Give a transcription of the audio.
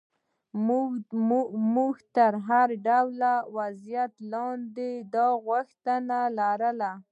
موږ تر هر ډول وضعیت لاندې دا غوښتنه لرو.